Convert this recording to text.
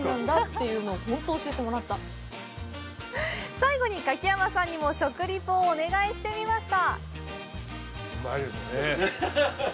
最後に、柿山さんにも食リポをお願いしてみました。